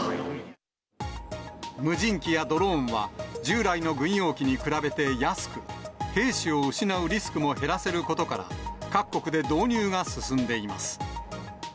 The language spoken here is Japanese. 無人機やドローンは、従来の軍用機に比べて安く、兵士を失うリスクも減らせることから、各国で導入が進んでいます。